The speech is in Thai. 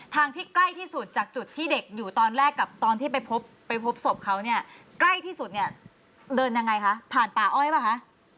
ที่ใกล้ที่สุดจากจุดที่เด็กอยู่ตอนแรกกับตอนที่ไปพบไปพบศพเขาเนี่ยใกล้ที่สุดเนี่ยเดินยังไงคะผ่านป่าอ้อยป่ะคะ